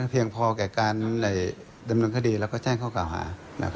เพียงพอแก่การดำเนินคดีแล้วก็แจ้งข้อกล่าวหา